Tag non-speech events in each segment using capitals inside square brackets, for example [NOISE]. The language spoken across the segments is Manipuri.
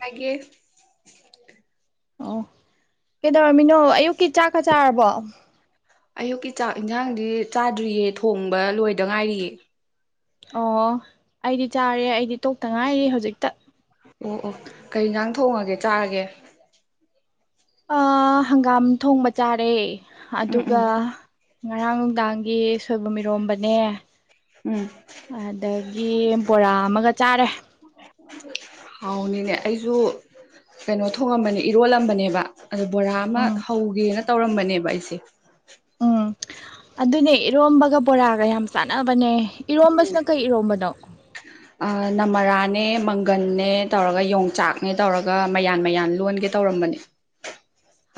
ꯍꯥꯏꯒꯦ ꯑꯣ ꯀꯩꯗꯧꯔꯝꯃꯤꯅꯣ ꯑꯌꯨꯛ ꯀꯤ ꯆꯥꯛꯀ ꯆꯥꯔꯕꯣ꯫ ꯑꯌꯨꯛꯀꯤ ꯆꯥꯛ ꯏꯟꯖꯥꯡꯗꯤ ꯆꯥꯗ꯭ꯔꯤꯌꯦ ꯊꯣꯡꯕ ꯂꯣꯏꯗ ꯉꯥꯏꯔꯤꯌꯦ꯫ ꯑꯣ ꯑꯩꯗꯤ ꯆꯥꯔꯦ ꯑꯩꯗꯤ ꯇꯣꯛꯇ ꯉꯥꯏꯔꯤ ꯍꯧꯖꯤꯛꯇ꯫ ꯑꯣ ꯑꯣ ꯀꯩ ꯖꯥꯡ ꯊꯣꯡꯉꯒꯦ ꯆꯥꯔꯒꯦ꯫ ꯑꯥ ꯍꯪꯒꯥꯝ ꯊꯣꯡꯕ ꯆꯥꯔꯦ꯫ ꯎꯝ ꯑꯗꯨꯒ ꯎꯝ ꯉꯔꯥꯡ ꯅꯨꯡꯗꯥꯡꯒꯤ ꯁꯣꯏꯕꯝ ꯏꯔꯣꯝꯕꯅꯦ ꯎꯝ ꯑꯗꯒꯤ ꯕꯣꯔꯥ ꯑꯃꯒ ꯆꯥꯔꯦ ꯍꯥꯎꯅꯤꯅꯦ ꯑꯩꯁꯨ ꯀꯩꯅꯣ ꯊꯣꯡꯉꯝꯕꯅꯤ ꯏꯔꯣꯜꯂꯝꯕꯅꯦꯕ ꯑꯗꯨ ꯕꯣꯔꯥ ꯑꯃ ꯎꯝ ꯍꯧꯒꯦꯅ ꯇꯧꯔꯝꯕꯅꯦꯕ ꯑꯩꯁꯦ ꯎꯝ ꯑꯗꯨꯅꯦ ꯏꯔꯣꯝꯕꯒ ꯕꯣꯔꯥꯒ ꯌꯥꯝ ꯆꯥꯟꯅꯕꯅꯦ ꯏꯔꯣꯝꯕꯁꯤꯅ ꯀꯩ ꯏꯔꯣꯝꯕꯅꯣ ꯑꯥ ꯅꯃꯔꯥꯅꯦ ꯃꯪꯒꯟꯅꯦ ꯇꯧꯔꯒ ꯌꯣꯡꯆꯥꯛꯅꯦ ꯇꯧꯔꯒ ꯃꯌꯥꯟ ꯃꯌꯥꯟ ꯂꯣꯟꯒꯦ ꯇꯧꯔꯝꯕꯅꯦ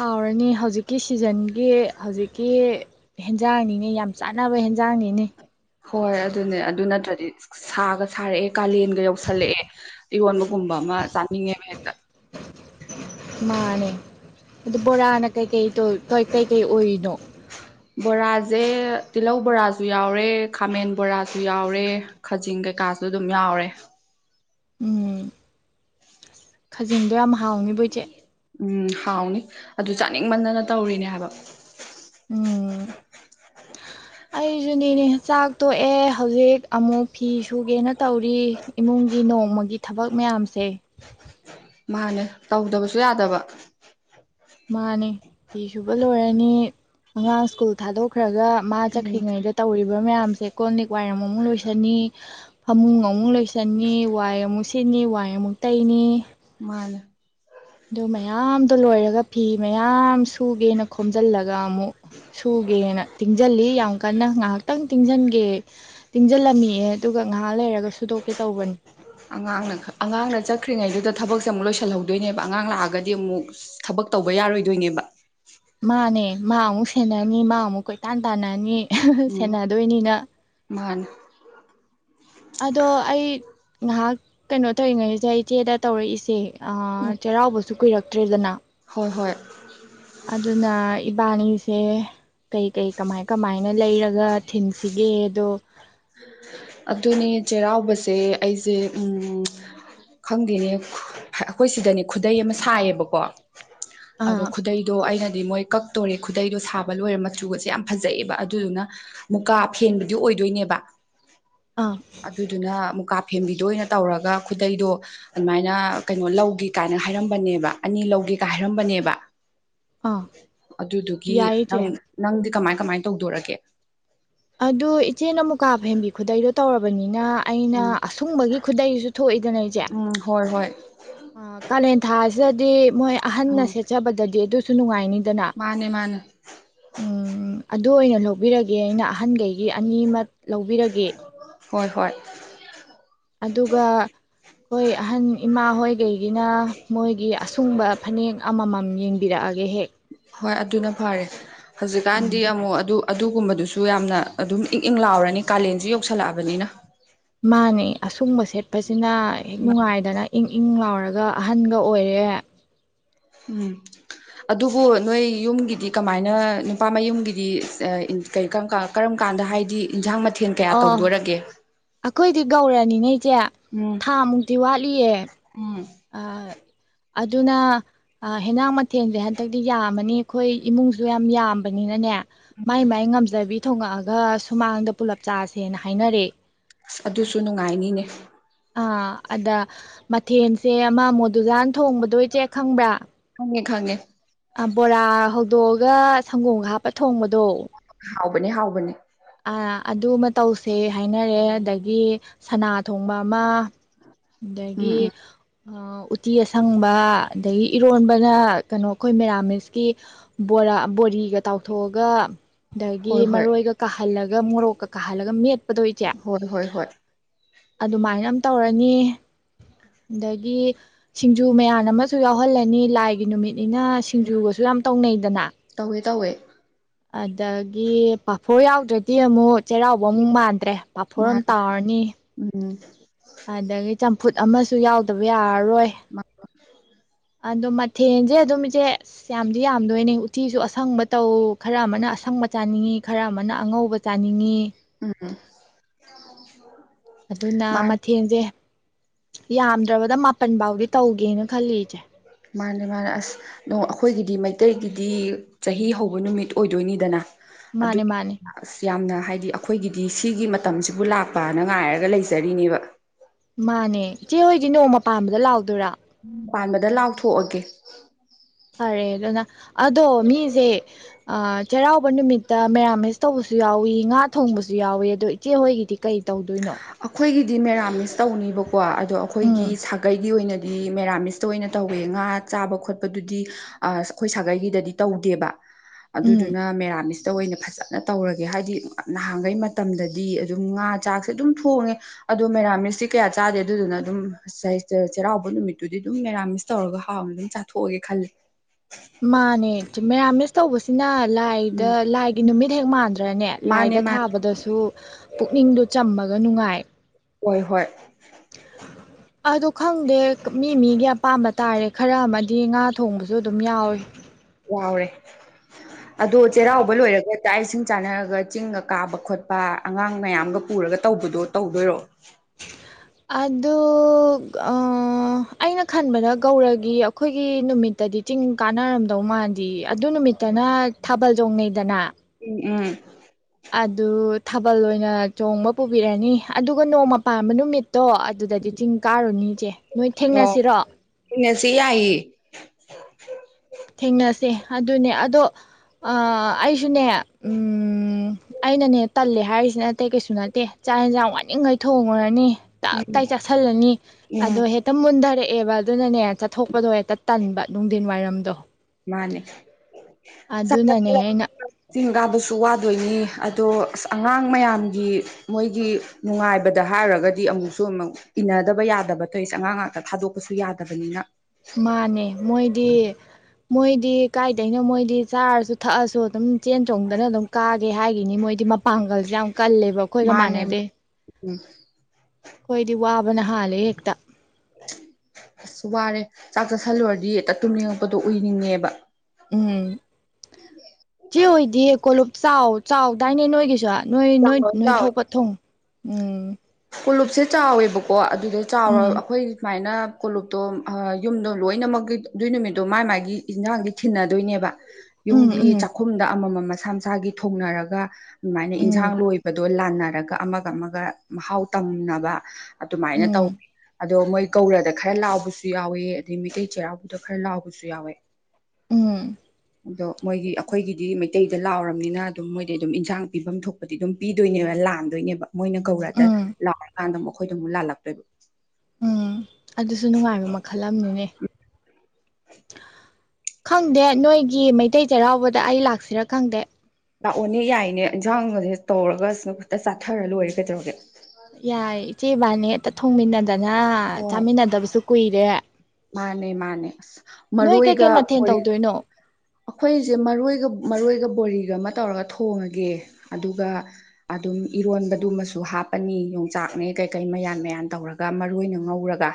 ꯍꯥꯎꯔꯅꯤ ꯍꯧꯖꯤꯛꯀꯤ ꯁꯤꯖꯟꯒꯤ ꯍꯧꯖꯤꯛꯀꯤ ꯍꯦꯟꯖꯥꯡꯅꯤꯉ ꯌꯥꯝ ꯆꯥꯅꯕ ꯍꯦꯟꯖꯥꯡꯅꯤꯅꯦ ꯍꯣꯏ ꯑꯗꯨꯅꯦ ꯑꯗꯨ ꯅꯠꯇ꯭ꯔꯗꯤ ꯁꯥꯒ ꯁꯥꯔꯛꯑꯦ ꯀꯥꯂꯦꯟꯒ ꯌꯧꯁꯜꯂꯛꯑꯦ ꯏꯔꯣꯟꯕꯒꯨꯝꯕ ꯑꯃ ꯆꯥꯅꯤꯡꯉꯦꯕ ꯍꯦꯛꯇ ꯃꯥꯅꯦ ꯑꯗꯨ ꯕꯣꯔꯥꯅ ꯀꯩꯀꯩ ꯇꯣꯏ ꯀꯩꯀꯩ ꯑꯣꯏꯔꯤꯅꯣ ꯕꯣꯔꯥꯁꯦ ꯇꯤꯜꯍꯧ ꯕꯣꯔꯥꯁꯨ ꯌꯥꯎꯔꯦ ꯈꯥꯃꯦꯟ ꯕꯣꯔꯥꯁꯨ ꯌꯥꯎꯔꯦ ꯈꯥꯖꯤꯡ ꯀꯩꯀꯥꯁꯨ ꯑꯗꯨꯝ ꯌꯥꯎꯔꯦ ꯎꯝ ꯈꯖꯤꯡꯗꯣ ꯌꯥꯝ ꯍꯥꯎꯉꯤꯕꯣꯏ ꯏꯆꯦ ꯎꯝ ꯍꯥꯎꯅꯤ ꯑꯗꯨ ꯆꯥꯅꯤꯡꯃꯟꯅꯅ ꯇꯧꯔꯤꯅꯦ ꯍꯥꯏꯕ ꯎꯝ ꯑꯩꯁꯨꯅꯤꯅꯦ ꯆꯥꯛ ꯇꯣꯛꯑꯦ ꯍꯧꯖꯤꯛ ꯑꯃꯨꯛ ꯐꯤ ꯁꯨꯒꯦꯅ ꯇꯧꯔꯤ ꯏꯃꯨꯡꯒꯤ ꯅꯣꯡꯃꯒꯤ ꯊꯕꯛ ꯃꯌꯥꯝꯁꯦ ꯥꯃꯅꯦ ꯇꯧꯗꯕꯁꯨ ꯌꯥꯗꯕ ꯃꯥꯅꯤ ꯐꯤ ꯁꯨꯕ ꯂꯣꯏꯔꯅꯤ ꯑꯉꯥꯡ ꯁ꯭ꯀꯨꯜ ꯊꯥꯗꯣꯛꯈ꯭ꯔꯒ ꯃꯥ ꯎꯝ ꯆꯠꯈ꯭ꯉꯩ ꯇꯧ ꯐ ꯃꯌꯥꯝꯁꯦ ꯀꯣꯛ ꯋꯥꯏꯔꯝ ꯑꯃꯨꯛ ꯂꯣꯏꯁꯟꯅꯤ ꯐꯃꯨꯡ ꯑꯃꯨꯛ ꯂꯣꯏꯁꯟꯅꯤ ꯋꯥꯏ ꯑꯃꯨꯛ ꯁꯤꯠꯅꯤ ꯋꯥꯏ ꯑꯃꯨꯛ ꯇꯩꯅꯤ ꯃꯥꯅꯦ ꯑꯗꯨ ꯃꯌꯥꯝꯗꯣ ꯂꯣꯏꯔꯒ ꯐꯤ ꯃꯌꯥꯝ ꯁꯨꯒꯦꯅ ꯈꯣꯝꯖꯤꯜꯂꯒ ꯑꯃꯨꯛ ꯁꯨꯒꯦꯅ ꯇꯤꯡꯖꯤꯜꯂꯤ ꯌꯥꯝ ꯀꯟꯅ ꯉꯥꯏꯍꯥꯛꯇꯪ ꯇꯤꯡꯁꯤꯟꯒꯦ ꯇꯤꯡꯁꯤꯜꯂꯝꯃꯤꯑꯦ ꯑꯗꯨꯒ ꯉꯥꯏꯍꯥꯛ ꯂꯩꯔꯒ ꯁꯨꯗꯣꯛꯀꯦ ꯇꯧꯕꯅꯤ ꯑꯉꯥꯡꯅ ꯑꯉꯥꯡꯅ ꯆꯠꯈ꯭ꯔꯤꯉꯩꯗꯨꯗ ꯊꯕꯛꯁꯦ ꯑꯃꯨꯛ ꯂꯣꯏꯁꯤꯜꯍꯧꯗꯣꯏꯅꯦꯕ ꯑꯉꯥꯡ ꯂꯥꯛꯑꯒꯗꯤ ꯑꯃꯨꯛ ꯊꯕꯛ ꯇꯧꯕ ꯌꯥꯔꯣꯏꯗꯣꯏꯅꯦꯕ ꯃꯥꯅꯦ ꯃꯥ ꯑꯃꯨꯛ ꯁꯦꯟꯅꯅꯤ ꯃꯥ ꯑꯃꯨꯛ ꯀꯣꯏꯇꯥꯟ ꯇꯥꯟꯅꯅꯤ ꯎꯝ ꯁꯦꯟꯅꯗꯣꯏꯅꯤꯅ ꯃꯥꯅꯦ ꯑꯗꯣ ꯑꯩ ꯉꯥꯏꯍꯥꯛ ꯀꯩꯅꯣ ꯇꯧꯔꯤꯉꯩꯁꯦ ꯏꯆꯦꯗ ꯇꯧꯔꯛꯏꯁꯦ ꯑ ꯆꯩꯔꯥꯎꯕꯁꯨ ꯀꯨꯏꯁꯨ ꯀꯨꯏꯔꯛꯇ꯭ꯔꯦꯗꯅ ꯍꯣꯏ ꯍꯣꯏ ꯑꯗꯨꯅ ꯏ ꯏꯕꯥꯅꯤꯁꯦ ꯀꯩ ꯀꯩ ꯀꯃꯥꯏ ꯀꯃꯥꯏ ꯅ ꯂꯩꯔꯒ ꯊꯤꯟꯁꯤꯒꯦ ꯗꯣ ꯑꯗꯨꯅꯦ ꯆꯩꯔꯥꯎꯕꯁꯦ ꯑꯩꯁꯦ ꯎꯝ ꯈꯪꯗꯦꯅꯦ ꯑꯩꯈꯣꯏ ꯁꯤꯗꯅꯦ ꯈꯨꯗꯩ ꯑꯃ ꯁꯥꯏꯌꯦꯕꯀꯣ ꯑꯗꯣ ꯑꯥ ꯈꯨꯗꯩꯗꯣ ꯑꯩꯅ ꯍꯥꯏꯗꯤ ꯃꯣꯏ ꯀꯛꯇꯣꯔꯦ ꯈꯨꯗꯩꯗꯣ ꯁꯥꯕ ꯂꯣꯏꯔꯦ ꯃꯆꯨꯒꯥꯁꯦ ꯌꯥꯝꯐꯖꯩꯌꯦꯕ ꯥ ꯑꯗꯨꯗꯨꯅ ꯃꯨꯀꯥ ꯐꯦꯟꯕꯗꯤ ꯑꯣꯏꯗꯣꯏꯅꯦꯕ ꯑꯥ ꯑꯗꯨꯏꯗꯨꯅ ꯃꯨꯛꯀꯥ ꯐꯦꯝꯕꯤꯗ ꯑꯣꯏꯅ ꯇꯧꯔꯒ ꯈꯨꯗꯩꯗꯣ ꯑꯗꯨꯃꯥꯏꯅ ꯀꯩꯅꯣ ꯂꯧꯒꯦ ꯀꯥꯏꯅ ꯍꯥꯏꯔꯝꯕꯅꯦꯕ ꯑꯅꯤ ꯂꯧꯒꯦ ꯀꯥꯏ ꯍꯥꯏꯔꯝꯕꯅꯦꯕ ꯑꯥ ꯑꯗꯨꯗꯨꯒꯤ ꯌꯥꯏ ꯏꯆꯦ ꯅꯪ ꯅꯪꯗꯤ ꯀꯃꯥꯏ ꯀꯃꯥꯏ ꯇꯧꯗꯣꯔꯒꯦ ꯑꯗꯨ ꯏꯆꯦꯅ ꯑꯃꯨꯀꯥꯞ ꯍꯦꯝꯕꯤ ꯈꯨꯗꯩꯗꯣ ꯇꯧꯔꯕꯅꯤ ꯑꯩꯅ ꯑꯩꯅ ꯎꯝ ꯑꯁꯨꯡꯕꯒꯤ ꯈꯨꯗꯩꯁꯨ ꯊꯣꯛꯏꯗꯅ ꯏꯆꯦ ꯎꯝ ꯍꯣꯏ ꯍꯣꯏ ꯑ ꯀꯥꯂꯦꯟ ꯊꯥꯁꯤꯗꯗꯤ ꯃꯣꯏ ꯑꯍꯟꯅ ꯁꯦꯠꯆꯕꯗꯗꯤ ꯑꯗꯨ ꯁ ꯅꯨꯡꯉꯥꯏꯅꯤ ꯃꯥꯅꯦ-ꯃꯥꯅꯦ꯫ ꯎꯝ ꯑꯗꯨ ꯑꯣꯏꯅ ꯂꯧꯕꯤꯔꯒꯦ ꯑꯩꯅ꯫ ꯑꯍꯟꯈꯩꯒꯤ ꯑꯅꯤꯃꯛ ꯂꯧꯕꯤꯔꯒꯦ꯫ ꯍꯣꯏ ꯍꯣꯏ꯫ ꯑꯗꯨꯒ ꯈꫭꯏ ꯑꯍꯟ ꯏꯃꯥ ꯍꯣꯏꯒꯩꯒꯤꯅ ꯃꯣꯏꯒꯤ ꯑꯁꯨꯡꯕ ꯐꯅꯦꯛ ꯑꯃꯃꯝ ꯝ ꯌꯦꯡꯕꯤꯔꯛꯑꯒꯦ ꯍꯦꯛ ꯍꯣꯏ ꯑꯗꯨꯅ ꯐꯔꯦ꯫ ꯍꯧꯖꯤꯛꯀꯥꯟꯗꯤ ꯎꯝ ꯑꯃꯨꯛ ꯑꯗꯨ ꯑꯗꯨꯒꯨꯝꯕꯗꯨꯁꯨ ꯌꯥꯝꯅ ꯑꯗꯨꯝ ꯏꯪ ꯏꯪ ꯂꯥꯎꯔꯅꯤ ꯀꯥꯂꯦꯟꯁꯨ ꯌꯧꯁꯜꯂꯛꯑꯕꯅꯤꯅ꯫ ꯃꯥꯅꯦ ꯑꯁꯨꯝꯕꯁꯦ ꯄꯁꯤꯅ ꯍꯦꯛ ꯅꯨꯡꯉꯥꯏꯗꯅ ꯏꯡ ꯏꯪ ꯂꯥꯎꯔꯒ ꯑꯍꯟꯒ ꯑꯣꯏꯔꯦ ꯎꯝ ꯑꯗꯨꯕꯨ ꯅꯣꯏ ꯌꯨꯝꯒꯤꯗꯤ ꯀꯃꯥꯏꯅ ꯅꯨꯄꯥ ꯃꯌꯨꯝꯒꯤꯗꯤ ꯏꯟ ꯀꯔꯤ ꯀꯔꯝ ꯀꯥꯟꯗ ꯍꯥꯏꯗꯤ ꯏꯟꯖꯥꯡ ꯃ ꯑ ꯑꯈꯣꯏꯗꯤ ꯧꯔꯅꯤꯅꯦ ꯑꯩꯆꯦ ꯎꯝ ꯊꯥ ꯃꯨꯛꯇꯤ ꯋꯥꯠꯂꯤꯌꯦ꯫ ꯑ ꯑꯗꯨꯅ ꯍꯦꯟꯅꯥꯡ ꯃꯊꯦꯜꯁꯦ ꯍꯟꯗꯛꯇꯤ ꯌꯥꯝꯃꯅꯤ ꯑꯩꯈꯣꯏ ꯏꯃꯨꯡꯁꯨ ꯌꯥꯝ ꯌꯥꯝꯕꯅꯤꯅꯅꯦ ꯃꯥꯏ ꯃꯥꯏ ꯉꯝꯖꯕꯤ ꯊꯣꯉꯛꯑꯒ ꯁꯨꯃꯥꯡꯗ ꯄꯨꯜꯂꯞ ꯆꯥꯁꯦꯅ ꯍꯥꯏꯅꯔꯦꯑꯦ꯫ ꯑꯁ ꯑꯗꯨꯁꯨ ꯅꯨꯡꯉꯥꯏꯅꯤꯅꯦ꯫ ꯑꯥ ꯑꯗ ꯃꯊꯦꯜꯁꯦ ꯑꯃ ꯃꯣꯗꯨꯂꯥꯥꯟ ꯊꯣꯡꯕꯗꯨ ꯏꯆꯦ ꯈꯪꯕ꯭ꯔꯥ꯫ ꯈꯪꯉꯦ ꯈꯪꯉꯦ ꯑ ꯕꯣꯔꯥ ꯍꯧ ꯗꯣꯛꯑꯒ ꯁꯪꯒꯣꯝꯒ ꯍꯥꯞꯄ ꯊꯣꯡꯕꯗꯣ ꯍꯥꯎꯕꯅꯦ ꯍꯥꯎꯕꯅꯦ꯫ ꯑ ꯑꯗꯨꯃ ꯇꯧꯁꯦ ꯍꯥꯏꯅꯔꯦ ꯑꯗꯒꯤ ꯁꯅꯥ ꯊꯣꯡꯕ ꯑꯃ ꯎꯝ ꯑꯗꯒꯤ ꯎꯝ ꯎꯇꯤ ꯑꯁꯪꯕ ꯑꯗꯒꯤ ꯏꯔꯣꯟꯕꯅ ꯀꯩꯅꯣ ꯑꯩꯈꯣꯏ ꯃꯦꯔꯥꯃꯤꯁꯀꯤ ꯕꫭꯔꯥ ꯕꯣꯔꯤꯒ ꯇꯥꯎꯊꯣꯛꯑꯒ ꯑꯗꯒꯤ ꯍꯣꯏ ꯍꯣꯏ ꯃꯔꫭꯏꯒ ꯍꯜꯂꯒ ꯃꯣꯔꯣꯛꯀ ꯀꯥꯍꯜꯂꯒ ꯃꯦꯠ ꯄꯗꫭ ꯏꯆꯦ ꯍꯣꯏ ꯍꯣꯏ ꯍꯣꯏ ꯑꯗꯨꯃꯥꯏꯅ ꯑꯝ ꯇꯧꯔꯦ ꯅꯤ ꯗꯒꯤ ꯁꯤꯡꯖꯨ ꯃꯌꯥꯟ ꯑꯃꯁꯨ ꯌꯥꯎꯍꯜꯂꯅꯤ ꯂꯥꯏꯒꯤ‌ ꯅꯨꯃꯤꯠꯅꯤꯅ ꯁꯤꯡꯖꯨꯒꯁꯨ ꯌꯥꯝ ꯊꯧꯅꯩ ꯇꯧ ꯍꯋꯦ ꯇꯧ ꯍꯋꯦ ꯑꯗꯒꯤ ꯄꯥꯐꯣꯔ ꯌꯥꯎꯗ꯭ꯔꯗꯤ ꯑꯃꯨꯛ ꯆꯩꯔꯥꯎꯕ ꯑꯃꯨꯛ ꯃꯥꯟꯗ꯭ꯔꯦ ꯄꯥꯐꯣꯔ ꯑꯃ ꯃꯥꯅꯦ ꯇꯥꯔꯅꯤ ꯎꯝ ꯑꯗꯒꯤ ꯆꯝꯐꯨꯠ ꯑꯃꯁꯨ ꯌꯥꯎꯗꯕ ꯌꯥꯥ ꯣꯏ ꯑꯗꯣ ꯊꯦꯟꯁꯦ ꯑꯗꯨꯝ ꯏꯆꯦ ꯑ ꯌꯥꯝꯗꯤ ꯌꯥꯝꯗꯣꯏꯅꯦ ꯎꯇꯤꯁꯨ ꯑꯁꯪꯕ ꯇꯧ ꯈꯔ ꯑꯃꯅ ꯑꯁꯪꯕ ꯆꯥꯅꯤꯡꯏꯤ ꯈꯔ ꯑꯃꯅ ꯑꯉꯧꯕ ꯆꯥꯅꯤꯡꯏꯤ ꯎꯝ ꯑꯗꯨꯅ ꯃꯥꯅꯦ ꯃꯊꯦꯜꯁꯦ ꯌꯥꯝꯗ꯭ꯔꯕꯗ ꯃꯥꯄꯜ ꯐꯥꯎꯗꯤ ꯇꯧꯒꯦꯅ ꯈꯜꯂꯤ ꯏꯆꯦ ꯃꯥꯅꯦ ꯃꯥꯅꯦ ꯑꯁ ꯅ ꯑꯩꯈꯣꯏꯒꯤꯗꯤ ꯃꯩꯇꯩꯒꯤꯗꯤ ꯆꯍꯤ ꯍꯧꯕ ꯅꯨꯃꯤꯠ ꯑꯣꯏꯗꯣꯏꯅꯤꯗꯅ ꯑꯗꯨ ꯃꯥꯅꯦ ꯃꯥꯅꯦ ꯑꯁ ꯌꯥꯝꯅ ꯍꯥꯏꯗꯤ ꯑꯩꯈꯣꯏꯒꯤꯗꯤ ꯁꯤꯒꯤ ꯃꯇꯝꯁꯤꯕꯨ ꯂꯥꯛꯄꯅ ꯉꯥꯏꯔꯒ ꯂꯩꯖꯔꯤꯅꯦꯕ ꯃꯥꯅꯦ ꯏꯆꯦ ꯍꯣꯏꯗꯤ ꯅꯣꯡꯃ ꯄꯥꯟꯕꯗ ꯂꯥꯎꯗꯣꯏꯔꯥ ꯎ ꯄꯥꯟꯕꯗ ꯂꯥꯎꯊꯣꯛꯑꯒꯦ ꯐꯔꯦ ꯑꯗꯨꯅ ꯑꯗꯣ ꯃꯤꯁꯦ ꯆꯩꯔꯥꯎꯕ ꯅꯨꯃꯤꯠꯇ ꯃꯦꯔꯥꯃꯤꯁ ꯇꯧꯕꯁꯨ ꯌꯥꯎꯋꯤ ꯉꯥ ꯊꯣꯡꯕꯁꯨ ꯌꯥꯎꯋꯤ ꯑꯗꯣ ꯏꯆꯦꯍꯣꯏꯒꯤꯗꯤ ꯀꯩ ꯇꯧꯗꯣꯏꯅꯣ ꯑꯩꯈꯣꯏꯒꯤꯗꯤ ꯃꯦꯔꯥꯃꯤꯁ ꯇꯧꯅꯤꯕꯀꯣ ꯀꯣ ꯑꯗꯣ ꯑꯩꯈꯣꯏꯒꯤ ꯎꯝ ꯁꯥꯒꯩꯒꯤ ꯑꯣꯏꯅꯗꯤ ꯍꯥꯏꯗꯤ ꯃꯦꯔꯥꯃꯤꯁꯇ ꯑꯣꯏꯅ ꯇꯧꯋꯦ ꯉꯥ ꯆꯥꯕ ꯈꯣꯠꯄꯗꯨꯗꯤ ꯑꯩꯈꯣꯏ ꯁꯥꯒꯩꯒꯤꯗꯗꯤ ꯇꯧꯗꯦꯕ ꯎꯝ ꯑꯗꯨꯗꯨꯅ ꯃꯦꯔꯥꯃꯤꯁ ꯇ ꯑꯣꯏꯅ ꯐꯖꯅ ꯇꯧꯔꯒꯦ ꯍꯥꯏꯗꯤ ꯅꯍꯥꯟꯈꯩ ꯃꯇꯝꯗꯗꯤ ꯑꯗꯨꯝ ꯉꯥ ꯆꯥꯛꯁꯦ ꯑꯗꯨꯝ ꯊꯣꯡꯉꯦ ꯑꯗꯣ ꯃꯦꯔꯥꯃꯤꯁꯇꯤ ꯀꯌꯥ ꯆꯥꯗꯦ ꯑꯗꯨꯗꯨꯅ ꯑꯗꯨꯝ ꯉꯁꯥꯏ ꯆꯩꯔꯥꯎꯕ ꯅꯨꯃꯤꯠꯇꯨꯗꯤ ꯑꯗꯨꯝ ꯃꯦꯔꯥꯃꯤꯁ ꯇꯧꯔꯒ ꯍꯥꯎꯅ ꯑꯗꯨꯝ ꯆꯥꯊꯣꯛꯑꯒꯦ ꯈꯜꯂꯤꯦ ꯃꯥꯅꯦ ꯃꯌꯥꯝꯃꯦꯁ ꯇꯧꯕꯁꯤꯅ ꯂꯥꯏꯗ ꯎꯝ ꯂꯥꯏꯒꯤ ꯅꯨꯃꯤꯠ ꯍꯦꯛ ꯃꯥꯟꯗ꯭ꯔꯅꯦ ꯂꯥꯏꯗ ꯃꯥꯅꯦ ꯃꯥꯅꯦ ꯊꯥꯕꯗꯁꯨ ꯄꯨꯛꯅꯤꯡꯗꯣ ꯆꯝꯃꯒ ꯅꯨꯡꯉꯥꯏ ꯍꯣꯏ ꯍꯣꯏ ꯑ ꯈꯪꯗꯦ ꯃꯤ ꯃꯤꯒꯤ ꯑꯄꯥꯝꯕ ꯇꯥꯔꯦ ꯈꯔ ꯑꯃꯗꯤ ꯉꯥ ꯊꯣꯡꯕꯁꯨ ꯑꯗꯨꯝ ꯌꯥꯎꯏ ꯌꯥꯎꯔꯦ ꯑꯗꯣ ꯆꯩꯔꯥꯎꯕ ꯂꯣꯏꯔꯒ ꯆꯥꯛ ꯏꯁꯤꯡ ꯆꯥꯟꯅꯔꯒ ꯆꯤꯡꯒ ꯀꯥꯕ ꯈꯣꯠꯄ ꯑꯉꯥꯡ ꯃꯌꯥꯝꯒ ꯄꯨꯔꯒ ꯇꯧꯕꯗꯣ ꯇꯧꯗꯣꯏꯔꯣ ꯑ ꯑꯩꯅ ꯈꯟꯕꯗ ꯒꯧꯔꯒꯤ ꯑꯩꯈꯣꯏꯒꯤ ꯅꯨꯃꯤꯠꯇꯗꯤ ꯆꯤꯡ ꯀꯥꯟꯅꯔꯝꯗꯧ ꯃꯥꯗꯤ ꯑꯗꯨ ꯅꯨꯃꯤꯠꯇꯅ ꯊꯥꯕꯜ ꯆꯣꯡꯉꯩꯗꯅ ꯎꯝ ꯎꯝ ꯊꯥꯕꯜ ꯑꯣꯏꯅ ꯆꯣꯡꯕ ꯄꯨꯕꯤꯔꯅꯤ ꯑꯗꯨꯒ ꯅꯣꯡꯃ ꯄꯥꯝ ꯅꯨꯃꯤꯠ ꯇꯣ ꯑꯗꯨꯗꯗꯤ ꯆꯤꯡ ꯀꯥꯔꯨꯅꯤ ꯏꯆꯦ ꯅꯣꯏ ꯊꯦꯡꯅꯁꯤꯔꯣ ꯁꯤ ꯍꯥꯏꯏ ꯊꯦꯡꯅꯁꯦ ꯑꯗꯨꯅꯦ ꯑꯗꯣ ꯑꯩꯁꯨꯅꯦ ꯑꯩꯅꯅꯦ ꯇꯜꯂꯦ ꯍꯥꯏꯔꯤꯁꯤ ꯅꯠꯇꯦ ꯀꯩꯁꯨ ꯅꯠꯇꯦ ꯆꯥꯛ ꯌꯦꯟꯁꯥꯡ ꯋꯥꯅꯤꯡꯉꯩ ꯊꯣꯡꯉꯨꯔꯅꯤ ꯇꯞꯇꯥꯏ ꯆꯥꯥꯁꯜꯂꯅꯤ ꯎꯝ ꯑꯗꯣ ꯍꯦꯛꯇ ꯃꯨꯟꯊꯔꯛꯑꯦ ꯑꯦ ꯋꯥꯗꯨ ꯅꯅꯦ ꯆꯠꯊꯣꯛꯄꯗꯣ ꯍꯦꯛꯇ ꯇꯟꯕ ꯅꯨꯡꯊꯤꯟ ꯋꯥꯏꯔꯝꯗꯣ ꯃꯥꯅꯦ ꯑꯗꯨꯅꯅꯦ ꯆꯥꯎꯈꯠꯂꯛ ꯑꯩꯅ ꯆꯤꯡ ꯀꯥꯕꯁꯨ ꯋꯥꯗꯣꯏꯅꯤ ꯑꯗꯣ ꯑꯁ ꯑꯉꯥꯡ ꯃꯌꯥꯝꯒꯤ ꯃꯣꯏꯒꯤ ꯅꯨꯡꯉꯥꯏꯕꯗ ꯍꯥꯏꯔꯒꯗꯤ ꯑꯃꯨꯛꯁꯨ ꯑꯃꯨꯛ ꯏꯟꯅꯗꯕ ꯌꯥꯗꯕ ꯇꯧꯔꯤꯁꯦ ꯑꯉꯥꯡ ꯉꯥꯛꯇ ꯊꯥꯗꯣꯛꯄꯁꯨ ꯌꯥꯗꯕꯅꯤꯅ ꯃꯥꯅꯦ ꯃꯣꯏꯗꯤ ꯃꯣꯏꯗꯤ ꯀꯥꯏꯗꯩꯅꯣ ꯃꯣꯏꯗꯤ ꯆꯥꯔꯁꯨ ꯊꯛꯑꯁꯨ ꯑꯗꯨꯝ ꯆꯦꯟ ꯆꯣꯡꯗꯅ ꯑꯗꯨꯝ ꯀꯥꯒꯦ ꯍꯥꯏ ꯅꯤ ꯃꯣꯏꯗꯤ ꯃꯄꯥꯡꯒꯜꯁꯨ ꯌꯥꯝ ꯀꯜꯂꯦꯕ ꯑꯩꯈꯣꯏꯒ ꯃꯥꯅꯦ ꯃꯥꯟꯅꯗꯦ ꯎꯝ ꯑꯩꯈꯣꯏꯗꯤ ꯋꯥꯕꯅ ꯍꯥꯂꯦ ꯍꯛꯇ ꯑꯁ ꯋꯥꯔꯦ ꯆꯥꯛ ꯆꯥꯁꯜꯂꯨꯔꯗꯤ ꯍꯛꯇ ꯇꯨꯝꯅꯤꯡꯉꯛꯄꯗꯣ ꯎꯏꯅꯤꯡꯉꯦꯕ ꯎꯝ ꯆꯦ ꯍꯣꯏꯗꯤ ꯀꯣꯂꯨꯞꯞ ꯆꯥꯎ ꯆꯥꯎꯗꯥꯏꯅꯦ ꯅꯣꯏꯒꯤꯁꯨ ꯅꯣꯏ ꯅꯣꯏ ꯆꯥꯎꯔꯣ ꯅꯣꯏ ꯆꯥꯎꯔꯣ ꯊꯣꯛꯄ ꯊꯣꯡꯉꯣ ꯎꯝ ꯐꯜꯂꯨꯞꯁꯦ ꯆꯥꯎꯋꯦꯕꯀꯣ ꯑꯗꯨꯗ ꯆꯥꯎꯔ ꯎꯝ ꯑꯩꯈꯣꯏ ꯁꯨꯃꯥꯏꯅ ꯀꯣꯂꯨꯞꯇꯣ ꯌꯨꯝꯗꯣ ꯂꯣꯏꯅꯃꯛꯀꯤ ꯑꯗꯨꯏ ꯅꯨꯃꯤꯠꯇꯣ ꯃꯥꯥꯏ ꯃꯥꯒꯤ ꯌꯦꯟꯁꯥꯡꯗꯤ ꯊꯤꯟꯅꯗꯣꯏꯅꯦꯕ ꯎꯝ ꯌꯨꯝꯒꯤ ꯎꯝ ꯆꯥꯛꯈꯨꯝꯗ ꯑꯃꯃꯝ [UNINTELLIGIBLE] ꯃꯁꯥ ꯃꯁꯥꯒꯤ ꯊꯣꯡꯅꯔꯒ ꯑꯗꯨꯃꯥꯏꯅ ꯏꯟꯁꯥꯡ ꯎꯝ ꯂꯣꯏꯕꯗꯣ ꯂꯥꯟ ꯅꯔꯒ ꯑꯃꯒ ꯑꯃꯒ ꯃꯍꯥꯎ ꯇꯥꯪꯅꯕ ꯑꯗꯨꯃꯥꯏꯅ ꯎꯝ ꯇꯧꯋ ꯑꯗꯣ ꯃꯣꯏ ꯒꯧꯔꯗ ꯈꯔ ꯂꯥꯎꯕꯁꯨ ꯌꯥꯎꯋꯦ ꯑꯗꯩ ꯃꯤꯇꯩꯩ ꯆꯩꯔꯥꯎꯕꯗ ꯈꯔ ꯂꯥꯎꯕꯁꯨ ꯌꯥꯎꯋꯦ ꯎꯝ ꯑꯗꯣ ꯃꯣꯏꯒꯤ ꯑꯩꯈꯣꯏꯒꯤꯗꯤ ꯃꯩꯇꯩꯗ ꯂꯥꯎꯔꯕꯅꯤꯅ ꯑꯗꯨꯝ ꯃꯣꯏꯗꯤ ꯑꯗꯨꯝ ꯏꯟꯁꯥꯡ ꯄꯤꯐꯝ ꯊꯣꯛꯄꯗꯤ ꯑꯗꯨꯝ ꯄꯤꯗꯣꯏꯅꯦꯕ ꯂꯥꯟꯗꯣꯏꯅꯦꯕ ꯃꯣꯏꯅ ꯀꯧ ꯎꯝ [UNINTELLIGIBLE] ꯂꯥꯎꯔꯀꯥꯟꯗ ꯑꯃꯨꯛ ꯑꯩꯈꯣꯏꯅ ꯑꯃꯨꯛ ꯂꯥꯜꯂꯛꯇꯣꯏꯕ ꯎꯝ ꯑꯗꯨꯁꯨ ꯅꯨꯡꯉꯥꯏꯕ ꯃꯈꯜ ꯑꯃꯅꯤꯅꯦ ꯈꯪꯗꯦ ꯅꯣꯏꯒꯤ ꯃꯩꯇꯩ ꯆꯩꯔꯥꯎꯕꯗ ꯑꯩ ꯂꯥꯛꯁꯤꯔꯥ ꯈꯪꯗꯦ ꯂꯥꯛꯑꯣꯅꯦ ꯌꯥꯏꯅꯦ ꯏꯟꯁꯥꯡꯁꯦ ꯇꯧꯔꯒ [UNINTELLIGIBLE] ꯆꯥꯊꯔ ꯂꯣꯏꯔꯦ ꯀꯩꯗꯧꯔꯒꯦ ꯌꯥꯏ ꯏꯆꯦ ꯏꯕꯅꯤ [UNINTELLIGIBLE] ꯊꯣꯡꯃꯤꯟꯅ ꯗꯅ ꯍꯣꯏ ꯆꯥꯃꯤꯟꯅꯗꯕꯁꯨ ꯀꯨꯏꯔꯦ ꯃꯥꯅꯦ ꯃꯥꯅꯦ ꯅꯣꯏ ꯃꯔꯣꯏꯒ ꯀꯩꯀꯩ ꯃꯊꯦꯜ ꯕꯣꯔꯤ ꯇꯧꯗꯣꯏꯅꯣ ꯑꯩꯈꯣꯏꯁꯦ ꯃꯔꯣꯏ ꯃꯔꯣꯏꯒ ꯕꯣꯔꯤꯒ ꯑꯃ ꯇꯧꯔꯒ ꯊꯣꯡꯉꯒꯦ ꯑꯗꯨꯒ ꯑꯗꯨꯝ ꯏꯔꯣꯟꯕꯗꯨꯃꯁꯨ ꯍꯥꯞꯄꯅꯤ ꯌꯣꯡꯆꯥꯛꯅꯦ ꯀꯩꯀꯩ ꯃꯌꯥꯟ ꯃꯌꯥꯟ ꯇꯧꯔꯒ ꯃꯔꯣꯏꯅ ꯉꯧꯔꯒ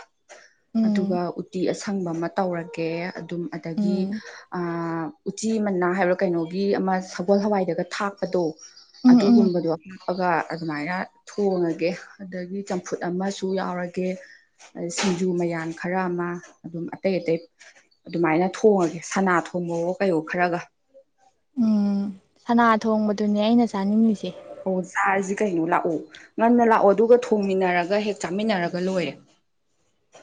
ꯑꯗꯨꯒ ꯎꯝ ꯎꯇꯤ ꯑ [UNINTELLIGIBLE] ꯑꯁꯪꯕ ꯑꯃ ꯇꯧꯔꯒꯦ ꯑꯗꯨꯝ ꯑꯗꯒꯤ ꯎꯝ ꯑꯥ ꯎꯆꯤ ꯃꯅꯥ ꯍꯥꯏꯕ꯭ꯔꯥ ꯀꯩꯅꯣꯒꯤ ꯑꯃ ꯁꯒꯣꯜ ꯍꯋꯥꯏꯗꯒ ꯊꯥꯛꯄꯗꯣ ꯎꯝ ꯎꯝ ꯑꯗꯨꯒꯨꯝꯕꯗꯣ ꯊꯣꯛꯑꯒ ꯑꯗꯨꯃꯥꯏꯅ ꯊꯣꯡꯉꯒꯦ ꯑꯗꯨꯗꯒꯤ ꯆꯝꯐꯨꯠ ꯑꯃꯁꯨ ꯌꯥꯎꯔꯒꯦ ꯁꯤꯡꯖꯨ ꯃꯌꯥꯟ ꯈꯔ ꯑꯃ ꯑꯗꯨꯝ ꯑꯇꯩ ꯑꯇꯩ ꯑꯗꯨꯃꯥꯏꯅ ꯊꯣꯡꯉꯒꯦ ꯁꯅꯥ [UNINTELLIGIBLE] [UNINTELLIGIBLE] ꯀꯩꯍꯣ ꯈꯔꯒ ꯎꯝ ꯁꯅꯥ ꯊꯣꯡꯕꯗꯨꯅꯦ ꯑꯩꯅ ꯆꯥꯅꯤꯡꯉꯁꯦ ꯑꯣ ꯁꯥꯔꯁꯤ ꯀꯩꯅꯣ ꯂꯥꯛꯑꯣ ꯉꯟꯅ ꯂꯥꯛꯑꯣ ꯑꯗꯨꯒ ꯊꯣꯡꯃꯤꯟꯅꯔꯒ ꯍꯦꯛ ꯆꯥꯃꯤꯟꯅꯔꯒ ꯂꯣꯏꯔꯦ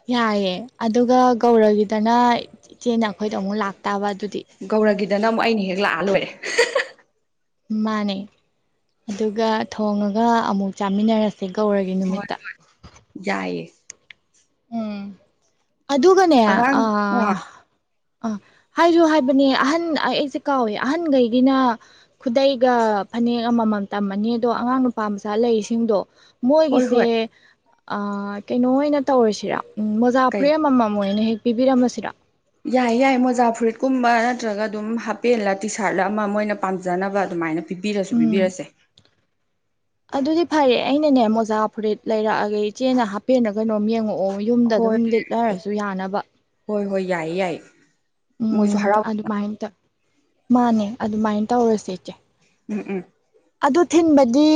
ꯌꯥꯏꯌꯦ ꯑꯗꯨꯒ ꯒꯧꯔꯒꯤꯗꯅ ꯏꯆꯦꯅ ꯑꯩꯈꯣꯏꯗꯣ ꯑꯃꯨꯛ ꯂꯥꯛꯇꯥꯕ ꯑꯗꯨꯗꯤ ꯒꯧꯔꯒꯤ ꯗ ꯅ ꯑꯃꯨꯛ ꯑꯩꯅ ꯍꯦꯛ ꯂꯥꯛꯑ ꯂꯣꯏꯔꯦ ꯃꯥꯅꯦ ꯑꯗꯨꯒ ꯊꯣꯡꯉꯒ ꯑꯃꯨꯛ ꯆꯥꯃꯤꯟꯅꯔ ꯁꯦ ꯒꯧꯔꯒꯤ ꯍꯣꯏ ꯅꯨꯃꯤꯠꯇ ꯌꯥꯏꯌꯦ ꯑꯗꯨꯒꯅꯦ ꯑ ꯑꯉꯥꯡ ꯑ ꯑꯥ ꯍꯥꯏꯁꯨ ꯍꯥꯏꯕꯅꯦ ꯑꯍꯟ ꯑꯩꯁꯦ ꯀꯥꯎꯋꯦ ꯑꯍꯟꯈꯩꯒꯤꯅ ꯈꯨꯗꯩꯒ ꯐꯅꯦꯛ ꯑꯃꯃꯝ ꯇꯝꯃꯅꯤ ꯑꯗꯣ ꯑꯉꯥꯡ ꯅꯨꯄꯥ ꯃꯆꯥ ꯂꯩꯔꯤꯁꯤꯡꯗꯣ ꯍꯣꯏ ꯍꯣꯏ ꯃꯣꯏꯒꯤꯁꯦ ꯑ ꯀꯩꯅꯣ ꯑꯣꯏꯅ ꯇꯧꯔꯁꯤꯔ ꯎꯝ ꯃꯣꯖꯥ ꯀꯩ ꯐꯨꯔꯤꯠ ꯑꯃꯃꯝ ꯑꯣꯏꯅ ꯍꯦꯛ ꯄꯤꯕꯤꯔꯝꯃꯁꯤꯔ ꯌꯥꯏ ꯌꯥꯏ ꯃꯣꯖꯥ ꯐꯨꯔꯤꯠꯀꯨꯝꯕ ꯅꯠꯇ꯭ꯔꯒ ꯑꯗꯨꯝ ꯍꯥꯄꯦꯜꯂ ꯇꯤ ꯁꯥꯔꯠꯂ ꯑꯃ ꯃꯣꯏꯅ ꯄꯥꯝꯖꯅꯕ ꯑꯗꯨꯃꯥꯏꯅ ꯄꯤꯕꯤꯔꯁꯨ ꯎꯝ ꯄꯤꯕꯤꯔꯁꯦ ꯑꯗꯨꯗꯤ ꯐꯔꯦ ꯑꯩꯅꯅꯦ ꯃꯣꯖꯥ ꯐꯨꯔꯤꯠ ꯂꯩꯔꯛꯑꯒꯦ ꯏꯆꯦꯅ ꯍꯥꯞꯄꯦꯟꯅ ꯀꯩꯅꯣꯝ ꯌꯦꯡꯉꯛꯑꯣ ꯌꯨꯝꯗ ꯑꯗꯨꯝ ꯍꯣꯏ ꯂꯤꯠꯅꯔꯁꯨ ꯌꯥꯅꯕ ꯌꯥꯏ ꯌꯥꯏ ꯃꯣꯏꯁꯨ ꯎꯝ ꯍꯔꯥꯎ ꯑꯗꯨꯃꯥꯏꯅ ꯇꯧ ꯃꯥꯅꯦ ꯑꯗꯨꯃꯥꯏꯅ ꯇꯧꯔꯁꯦ ꯏꯆꯦ ꯎꯝ ꯎꯝ ꯑꯗꯨ ꯊꯤꯟꯕꯗꯤ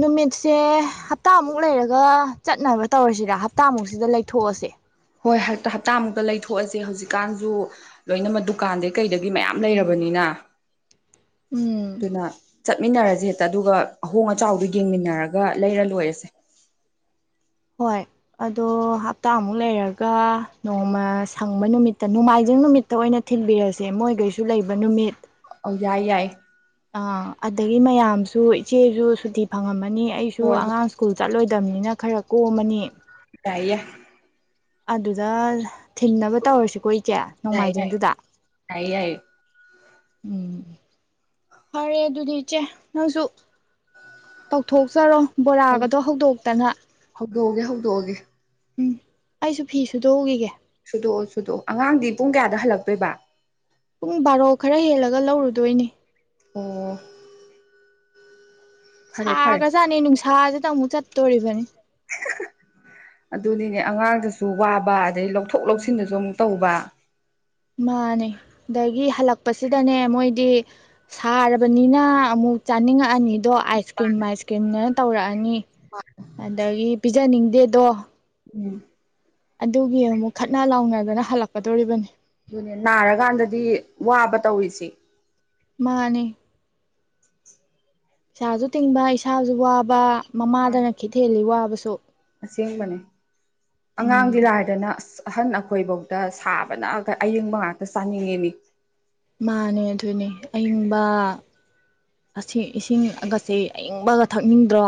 ꯅꯨꯃꯤꯠꯁꯦ ꯍꯞꯇꯥꯃꯨꯛ ꯂꯩꯔꯒ ꯆꯠꯅꯕ ꯇꯧꯔꯁꯤꯔ ꯍꯞꯇꯥꯃꯨꯛꯁꯤꯗ ꯂꯩꯊꯣꯛꯑꯁꯦ ꯍꯣꯏ ꯍꯟꯗꯛ ꯍꯞ ꯇꯥꯃꯨꯛꯇ ꯂꯩꯊꯣꯛꯑꯁꯦ ꯍꯧꯖꯤꯛ ꯍꯧꯖꯤꯀꯥꯟꯁꯨ ꯂꯣꯏꯅꯃꯛ ꯗꯨꯀꯥꯟꯗꯩ ꯀꯩꯗꯒꯤ ꯃꯌꯥꯝ ꯂꯩꯔꯕꯅꯤꯅ ꯎꯝ ꯑꯗꯨꯅ ꯆꯠꯃꯤꯟꯅꯔꯁꯦ ꯍꯦꯛꯇ ꯑꯗꯨꯒ ꯑꯍꯣꯡ ꯑꯆꯥꯎꯗꯣ ꯌꯦꯡꯃꯤꯟꯅꯔꯒ ꯂꯩꯔ ꯂꯣꯏꯔꯦꯁꯦ ꯍꯣꯏ ꯑꯗꯣ ꯍꯞꯇꯥꯃꯨꯛ ꯂꯩꯔꯒ ꯅꯣꯡꯃ ꯁꯪꯕ ꯅꯨꯃꯤꯠꯇ ꯅꯣꯡꯃꯥꯏꯖꯤꯡ ꯅꯨꯃꯤꯠꯇ ꯑꯣꯏꯅ ꯊꯤꯟꯕꯤꯔꯁꯦ ꯃꯣꯏꯒꯩꯁꯨ ꯂꯩꯕ ꯅꯨꯃꯤꯠ ꯑꯣ ꯌꯥꯏ ꯌꯥꯏ ꯑꯥ ꯑꯗꯒꯤ ꯃꯌꯥꯝꯁꯨ ꯏꯆꯦꯁꯨ ꯁꯨꯇꯤ ꯐꯪꯉꯝꯃ ꯑꯅꯤ ꯑꯩꯁꯨ ꯍꯣꯏ ꯍꯣꯏ ꯑꯉꯥꯡ ꯁ꯭ꯀꯨꯜ ꯆꯠꯂꯣꯏꯗꯕꯅꯤꯅ ꯈꯔ ꯀꯣꯝꯃꯅꯤ ꯌꯥꯏꯌꯦ ꯌꯥꯢꯌꯦ ꯑꯗꯨꯗ ꯊꯤꯟꯅꯕ ꯇꯧꯔꯁꯤꯀꯣ ꯆꯦ ꯌꯥꯏ ꯌꯥꯏ ꯅꯣꯡꯃꯥꯏꯖꯤꯡꯗꯨꯗ ꯌꯥꯏꯌꯦ ꯌꯥꯏꯌꯦ ꯎꯝ ꯐꯔꯦ ꯑꯗꯨꯗꯤ ꯏꯆꯦ ꯅꯪꯁꯨ ꯇꯧꯊꯣꯛꯆꯔꯣ ꯕꯣꯔꯥꯒꯗꯣ ꯍꯧꯗꯣꯛꯇꯅ ꯌꯧꯒꯦ ꯍꯧꯗꯣꯛꯑꯒꯦ ꯎꯝ ꯑꯩꯁꯨ ꯐꯤ ꯁꯨꯗꯣꯛꯎꯈꯤꯒꯦ ꯁꯨꯗꯣꯛꯑꯣ ꯁꯨꯗꯣꯛꯑꯣ ꯑꯉꯥꯡꯗꯤ ꯄꯨꯡ ꯀꯌꯥꯗ ꯍꯜꯂꯛꯇꯣꯏꯕ ꯄꯨꯡ ꯕꯥꯔꯣ ꯈꯔ ꯍꯦꯜꯂꯒ ꯂꯧꯔꯨꯗꯣꯏꯅꯦ ꯑꯣ ꯐꯔꯦ ꯐꯔꯦ ꯁꯥꯒꯖꯥꯠꯅꯤ ꯅꯨꯡꯁꯥꯁꯦ ꯇꯃꯨ ꯆꯠ ꯇꯧꯔꯤꯔꯤꯕꯅꯤ ꯗꯁꯨ ꯋꯥꯕ ꯑꯗꯗꯒꯤ ꯂꯧꯊꯣꯛ ꯂꯧꯁꯤꯟꯗꯁꯨ ꯑꯃꯨꯛ ꯇꯧꯕ ꯃꯥꯅꯦ ꯑꯗꯒꯤ ꯍꯜꯂꯛꯄꯁꯤꯗꯅꯦ ꯃꯣꯏꯗꯤ ꯁꯥꯔꯕꯅꯤꯅ ꯑꯃꯨꯛ ꯆꯥꯅꯤꯡꯉꯛꯑꯅꯤ ꯗꯣ ꯑꯥꯏꯁ ꯀ꯭ꯔꯤꯝ ꯃꯥꯏꯁ ꯀ꯭ꯔꯤꯝ ꯅ ꯇꯧꯔꯛꯑꯅꯤ ꯑꯗꯒꯤ ꯄꯤꯖꯅꯤꯡꯗꯦ ꯗꯣ ꯎꯝ ꯑꯗꯨꯒꯤ ꯑꯃꯨꯛ ꯈꯠꯅ ꯂꯥꯎꯅꯗꯅ ꯍꯜꯂꯛꯀꯗꯣꯔꯤꯕꯅꯤ ꯑꯗꯨꯅꯦ ꯅꯥꯔꯀꯥꯟꯗꯗꯤ ꯋꯥꯕ ꯇꯧꯔꯤꯁꯦ ꯃꯥꯅꯦ ꯄꯩꯥꯁꯨ ꯇꯤꯡꯕ ꯏꯁꯥꯁꯨ ꯋꯥꯕ ꯃꯥꯅꯤ ꯃꯃꯥꯗꯅ ꯈꯤꯠ ꯊꯦꯜꯂꯤ ꯋꯥꯕꯁꯨ ꯁꯣ ꯑꯁꯦꯡꯕꯅꯦ ꯑꯉꯥꯡꯗꯤ ꯎꯝ ꯂꯥꯏꯗꯅ ꯑꯁ ꯑꯍꯟ ꯑꯩꯈꯣꯏꯕꯧꯗ ꯁꯥꯕꯅ ꯑꯌꯡꯕ ꯉꯥꯛꯇ ꯆꯥꯅꯤꯡꯉꯤ ꯃꯤ ꯃꯥꯅꯦ ꯑꯗꯨꯅꯦ ꯑꯌꯤꯡꯕ ꯑꯁꯤ ꯏꯁꯤꯡꯒꯁꯦ ꯑꯌꯤꯡꯕꯒ ꯊꯛꯅꯤꯡꯗ꯭ꯔꯣ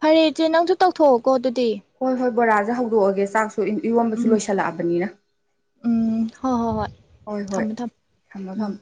ꯐꯔꯦ ꯏꯆꯦ ꯅꯪꯁꯨ ꯇꯧꯊꯣꯛꯑꯣꯀꯣ ꯑꯗꯨꯗꯤ ꯍꯣꯏ ꯍꯣꯏ ꯕꯣꯔꯥꯁꯦ ꯍꯧꯗꯣꯛꯑꯒꯦ ꯆꯥꯡ ꯏꯌꯣꯟꯕꯁꯨ ꯎꯝ ꯂꯣꯏꯁꯜꯂꯛꯑꯕꯅꯤꯅ ꯎꯝ ꯍꯣꯏ ꯍꯣꯏ ꯍꯣꯏ ꯍꯣꯏ ꯍꯣꯏ ꯊꯝꯃꯦ ꯊꯝꯃꯦ ꯊꯝꯃꯣ ꯎꯝ ꯊꯝꯃ